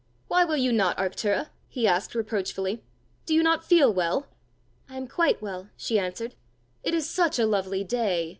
"Why will you not, Arctura?" he asked reproachfully: "do you not feel well?" "I am quite well," she answered. "It is such a lovely day!"